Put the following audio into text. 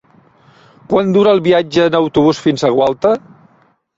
Quant dura el viatge en autobús fins a Gualta?